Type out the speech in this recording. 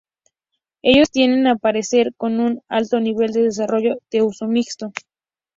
Ellos tienden a parecer con un alto nivel de desarrollo de uso mixto.